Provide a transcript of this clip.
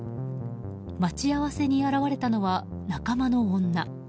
待ち合わせに現れたのは仲間の女。